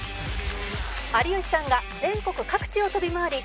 有吉さんが全国各地を飛び回り